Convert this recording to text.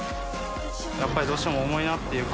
やっぱりどうしても重いなっ